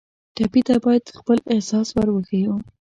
ټپي ته باید خپل احساس ور وښیو.